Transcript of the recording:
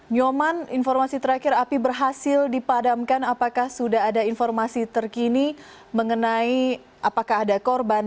nyoman informasi terakhir api berhasil dipadamkan apakah sudah ada informasi terkini mengenai apakah ada korban